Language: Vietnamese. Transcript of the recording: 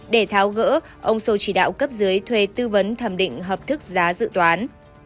để tháo gỡ ông sô chỉ đạo cấp dưới thuê tư vấn thẩm định hợp thức giá dự toán